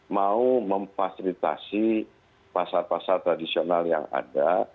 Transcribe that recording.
mau memfasilitasi pasar pasar tradisional yang ada